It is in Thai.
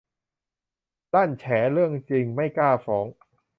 ลั่นแฉเรื่องจริงไม่กล้าฟ้อง